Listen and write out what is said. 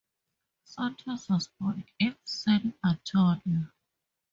Santos was born in San Antonio.